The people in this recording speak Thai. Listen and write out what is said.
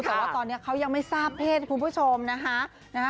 แต่ว่าตอนนี้เขายังไม่ทราบเพศคุณผู้ชมนะคะ